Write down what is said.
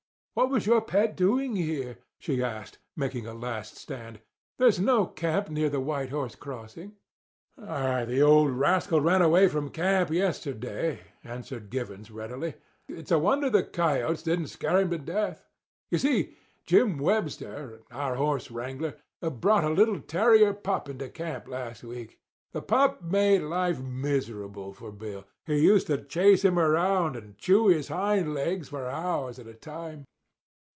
"What was your pet doing here?" she asked, making a last stand. "There's no camp near the White Horse Crossing." "The old rascal ran away from camp yesterday," answered Givens readily. "It's a wonder the coyotes didn't scare him to death. You see, Jim Webster, our horse wrangler, brought a little terrier pup into camp last week. The pup made life miserable for Bill—he used to chase him around and chew his hind legs for hours at a time.